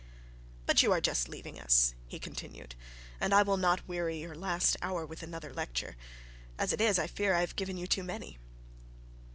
'But you are just leaving us,' he continued, 'and I will not weary your last hour with another lecture. As it is, I fear I have given you too many.'